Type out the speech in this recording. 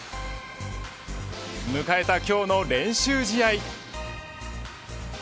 迎えた今日の練習試合。